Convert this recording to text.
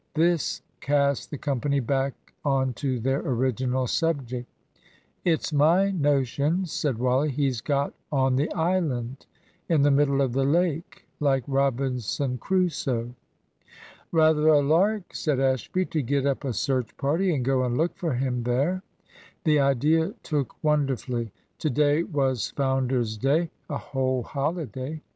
This cast the company back on to their original subject. "It's my notion," said Wally, "he's got on the island in the middle of the lake, like Robinson Crusoe." "Rather a lark," said Ashby, "to get up a search party and go and look for him there." The idea took wonderfully. To day was "Founder's Day," a whole holiday.